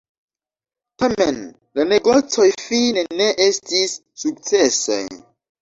Tamen la negocoj fine ne estis sukcesaj.